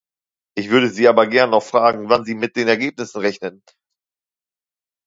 Ich würde Sie aber gern noch fragen, wann Sie mit den Ergebnissen rechnen.